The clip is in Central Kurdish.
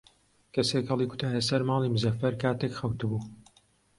کەسێک هەڵی کوتایە سەر ماڵی مزەفەر کاتێک خەوتبوو.